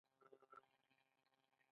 آیا د ژرندې اوړه ډیر خوندور نه وي؟